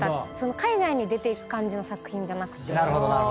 海外に出ていく感じの作品じゃなくて。